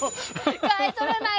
買い取れない